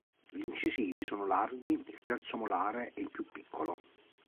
Gli incisivi sono larghi, il terzo molare è il più piccolo.